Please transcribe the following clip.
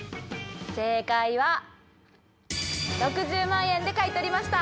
正解は６０万円で買い取りました！